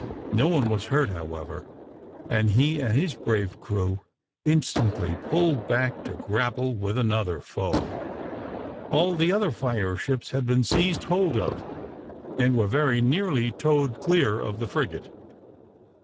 No one was hurt, however, and he and his brave crew instantly pulled back to grapple with another foe. All the other fire ships had been seized hold of and were very nearly towed clear of the frigate.